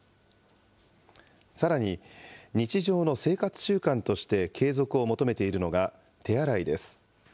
さらに、日常の生活習慣として継続を求めているのが手洗いです。